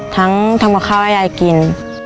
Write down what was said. ทำกับข้าวให้ยายกิน